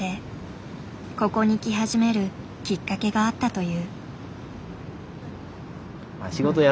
ここに来始めるきっかけがあったという。